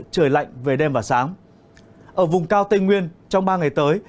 trời lạnh về đêm và sáng ở vùng cao tây nguyên trong ba ngày tới